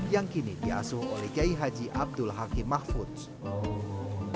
yang kini diasuh oleh kiai haji abdul hakim mahfudz